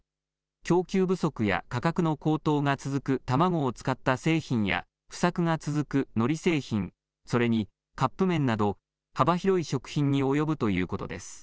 供給不足や価格の高騰が続く卵を使った製品や、不作が続くのり製品、それにカップ麺など、幅広い食品に及ぶということです。